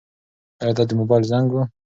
ایا دا د موبایل زنګ و؟